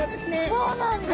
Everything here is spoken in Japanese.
そうなんだ。